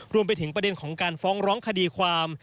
รวมไปถึงประเด็นของการฟ้องร้องคดีความ